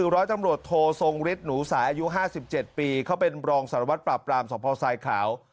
ร้อยตำรวจโททรงฤทธิ์หนูสายอายุ๕๗ปีเขาเป็นรองสารวัตรปราบปรามสมพทรายขาว